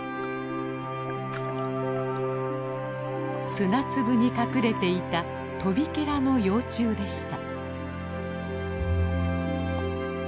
砂粒に隠れていたトビケラの幼虫でした。